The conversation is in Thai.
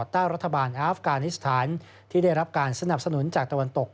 ใต้รัฐบาลอาฟกานิสถานที่ได้รับการสนับสนุนจากตะวันตก